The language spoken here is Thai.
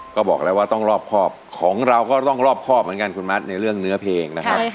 ก็บอกแล้วว่าต้องรอบครอบของเราก็ต้องรอบครอบเหมือนกันคุณมัดในเรื่องเนื้อเพลงนะครับ